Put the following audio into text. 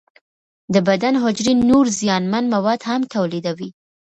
د بدن حجرې نور زیانمن مواد هم تولیدوي.